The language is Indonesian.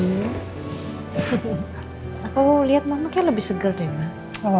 aku lihat mama kayak lebih seger deh ma